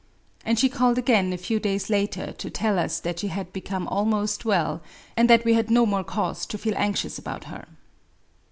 And she called again a few days later to tdl us that she had become almost well) and that we had no more cause to feel anxious about her.